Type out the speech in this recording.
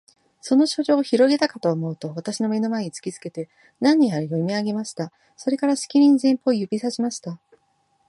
その書状をひろげたかとおもうと、私の眼の前に突きつけて、何やら読み上げました。それから、しきりに前方を指さしました。